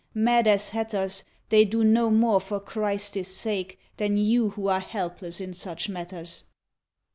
Mad as hatters They do no more for Christés sake Than you who are helpless in such matters.